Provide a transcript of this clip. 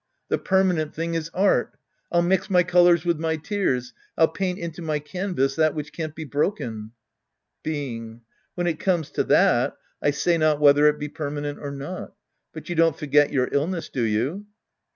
The permanent thing is art. I'll mix my colors with my tears. I'll paint into my canvas that which can't be broken. Being. When it comes to that, I say not whether it be permanent or not. But you don't forget your illness, do you